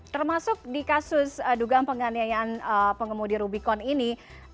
termasuk di kasus dugaan penganiayaan pengemudi rubicon ini